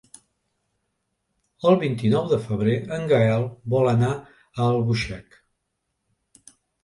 El vint-i-nou de febrer en Gaël vol anar a Albuixec.